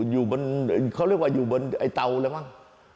อยู่บนเขาเรียกว่าอยู่บนไอ้เตาเลยมั้ง